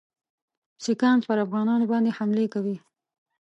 سیکهان پر افغانانو باندي حملې کوي.